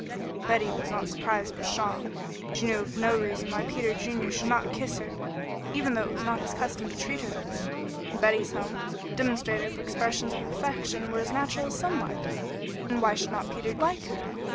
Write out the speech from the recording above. Betty was surprised but not shocked. She knew of no reason why Peter should not kiss her even though it was not his custom to treat her thus. In Betty's home, demonstrative expressions of affection were as natural as sunlight, and why should not Peter like her?